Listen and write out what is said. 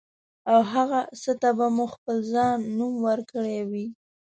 او هغه څه ته به مو خپل ځان نوم ورکړی وي.